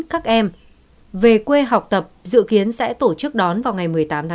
các em về quê học tập dự kiến sẽ tổ chức đón vào ngày một mươi tám chín